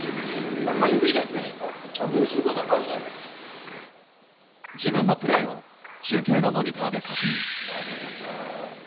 こんな緩い打球やねんから、自分のプレーを中継のモニターで確認。